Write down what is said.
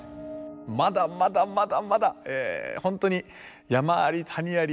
まだまだまだまだ本当に山あり谷あり